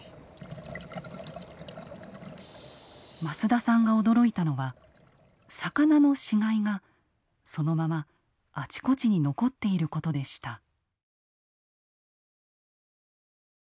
益田さんが驚いたのは魚の死骸がそのままあちこちに残っていることでした。